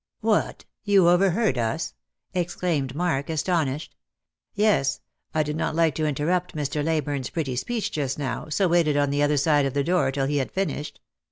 "What ! you overheard us?" exclaimed Mark, astonished. " Yes ; I did not like to interrupt Mr. Leyburne's pretty speech just now, so waited on the other side of the door till he had finished.